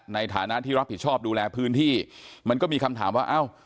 ในฐานะที่รับผิดชอบดูแลพื้นที่มันก็มีคำถามว่าเอ้า